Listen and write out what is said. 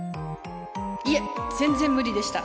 いえ全然無理でした。